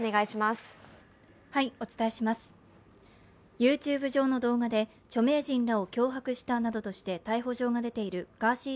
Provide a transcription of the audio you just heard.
ＹｏｕＴｕｂｅ上の動画で著名人らを脅迫したなどとして逮捕状が出ているガーシー